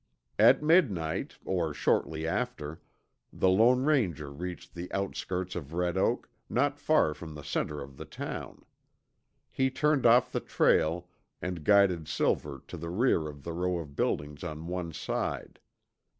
At midnight, or shortly after, the Lone Ranger reached the outskirts of Red Oak, not far from the center of the town. He turned off the trail and guided Silver to the rear of the row of buildings on one side.